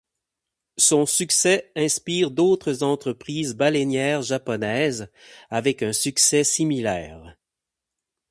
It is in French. Son succès inspire d'autres entreprises baleinières japonaises, avec un succès similaire.